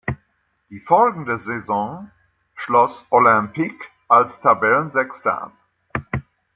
Die folgende Saison schloss Olympique als Tabellensechster ab.